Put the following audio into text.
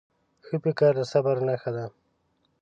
ښه فکر د صبر نښه ده.